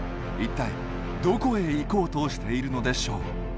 いったいどこへ行こうとしているのでしょう？